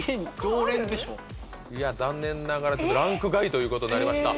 いや残念ながらランク外ということになりました。